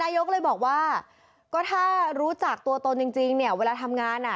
ยกเลยบอกว่าก็ถ้ารู้จักตัวตนจริงเนี่ยเวลาทำงานอ่ะ